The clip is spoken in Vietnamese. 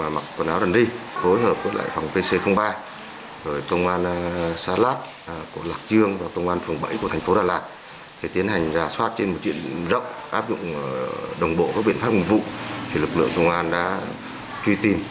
mặc quần áo đần ri phối hợp với lại phòng pc ba